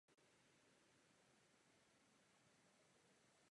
Celý areál je vystavěn na čtvercovém půdorysu.